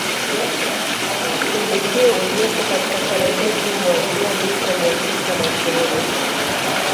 Mwinuklo uliopo katika Serengeti huanzia mita mia tisa na ishirini